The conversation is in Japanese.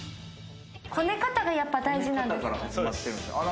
こね方がやっぱり大事なんですか？